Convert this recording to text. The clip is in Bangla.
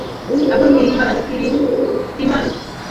এখন ফিমার ডিরেক্টরের সাথে আমাকে জরুরী বৈঠকে বসতে হবে।